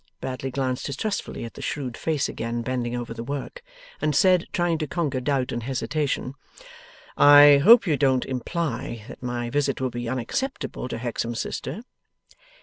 Bradley glanced distrustfully at the shrewd face again bending over the work, and said, trying to conquer doubt and hesitation: 'I hope you don't imply that my visit will be unacceptable to Hexam's sister?